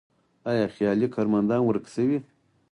آیا خیالي کارمندان ورک شوي؟